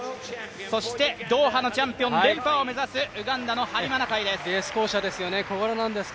そしてドーハのチャンピオン、連覇を目指すウガンダのハリマ・ナカイです。